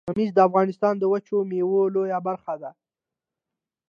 ممیز د افغانستان د وچې میوې لویه برخه ده